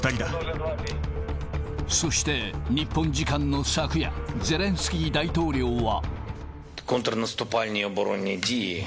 そして、日本時間の昨夜、ゼレンスキー大統領は。